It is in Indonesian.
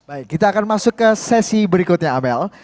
baik kita akan masuk ke sesi berikutnya amel